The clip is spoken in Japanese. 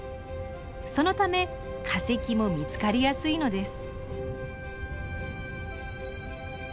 そのため化石も見つかりやすいのです。